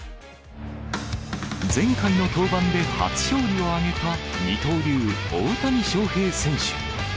前回の登板で初勝利を挙げた二刀流、大谷翔平選手。